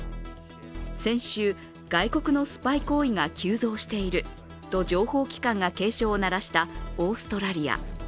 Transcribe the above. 先週、外国のスパイ行為が急増していると情報機関が警鐘を鳴らしたオーストラリア。